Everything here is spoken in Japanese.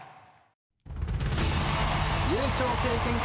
優勝経験国